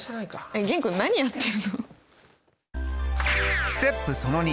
えっ玄君何やってるの。